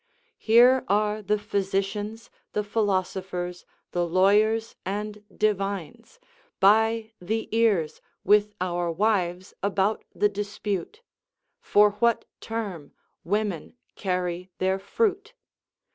Here are the physicians, the philosophers, the lawyers, and divines, by the ears with our wives about the dispute, "For what term women carry their fruit?"